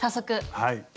はい。